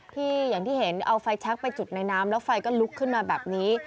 อย่างที่เห็นเอาไฟแชคไปจุดในน้ำแล้วไฟก็ลุกขึ้นมาแบบนี้